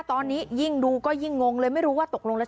ตอนนี้ยิ่งดูก็ยิ่งงงเลยไม่รู้ว่าตกลงแล้ว